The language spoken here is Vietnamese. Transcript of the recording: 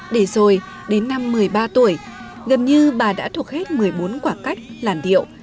để rồi đến năm một mươi ba tuổi gần như bà đã thuộc hết một mươi bốn quả cách làn điệu